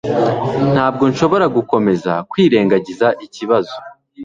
Ntabwo nshobora gukomeza kwirengagiza ikibazo